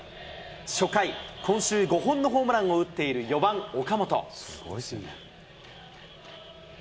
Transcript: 初回、今週、５本のホームランを打っている４番岡本。